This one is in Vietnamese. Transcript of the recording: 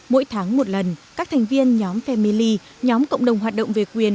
mỗi tháng một lần các thành viên nhóm family nhóm cộng đồng hoạt động về quyền